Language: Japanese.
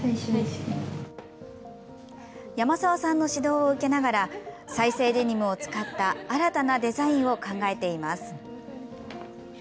山澤さんの指導を受けながら再生デニムを使った新たなデザインを考えています。